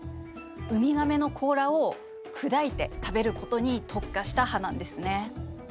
ウミガメの甲羅を砕いて食べることに特化した歯なんですね。